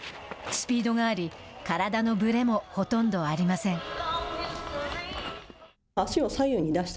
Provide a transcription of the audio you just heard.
スピードがあり体のぶれもほとんどありません。